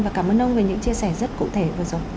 và cảm ơn ông về những chia sẻ rất cụ thể vừa rồi